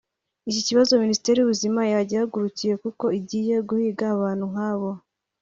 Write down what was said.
Iki kibazo Minisiteri y’Ubuzima yagihagurukiye kuko igiye guhiga abantu nk’abo